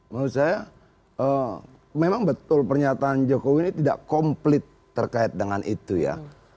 menurut saya memang betul pernyataan jokowi ini tidak komplit terkait dengan itu ya